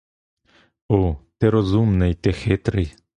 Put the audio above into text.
О, ти розумний, ти хитрий!